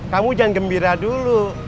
kamu jangan gembira dulu